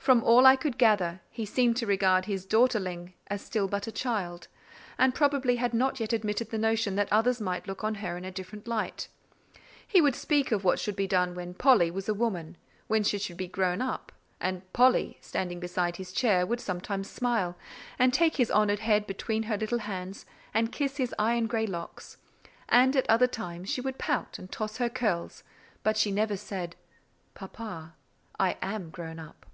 From all I could gather, he seemed to regard his "daughterling" as still but a child, and probably had not yet admitted the notion that others might look on her in a different light: he would speak of what should be done when "Polly" was a woman, when she should be grown up; and "Polly," standing beside his chair, would sometimes smile and take his honoured head between her little hands, and kiss his iron grey locks; and, at other times, she would pout and toss her curls: but she never said, "Papa, I am grown up."